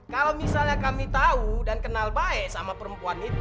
kalau misalnya kami tahu dan kenal baik sama perempuan itu